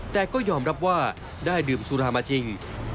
แต่ก็ยอมรับว่าได้ดื่มสุรามาจริง